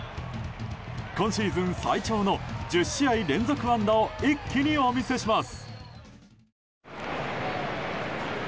今シーズン最長の１０試合連続安打を一気にお見せします。